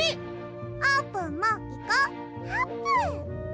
あーぷんもいこ！あぷん！